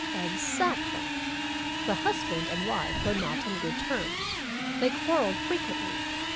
"Exactly. 'The husband and wife were not on good terms. They quarreled frequently.